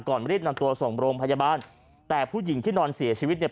ก่อนไม่ได้นำตัวส่งบรมพยาบาลแต่ผู้หญิงที่นอนเสียชีวิตเนี่ย